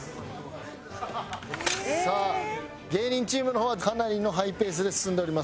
さあ芸人チームの方はかなりのハイペースで進んでおります。